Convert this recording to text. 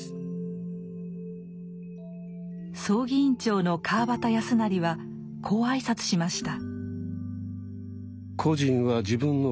葬儀委員長の川端康成はこう挨拶しました。